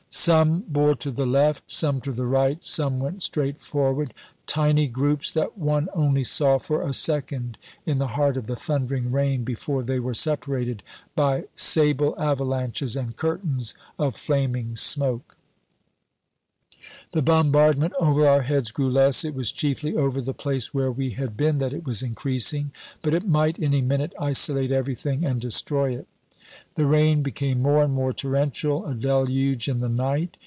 Some bore to the left, some to the right, some went straight forward tiny groups that one only saw for a second in the heart of the thundering rain before they were separated by sable avalanches and curtains of flaming smoke. The bombardment over our heads grew less; it was chiefly over the place where we had been that it was increasing. But it might any minute isolate everything and destroy it. The rain became more and more torrential a deluge in the night.